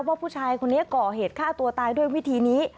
ว่าผู้ชายคนนี้ก่อเหตุฆ่าตัวตายด้วยวิธีนี้